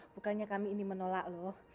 bukannya kami ini menolak loh